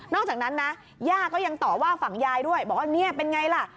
อกจากนั้นนะย่าก็ยังต่อว่าฝั่งยายด้วยบอกว่าเนี่ยเป็นไงล่ะ